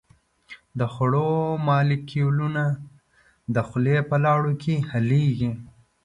د خوړو مالیکولونه د خولې په لاړو کې حلیږي.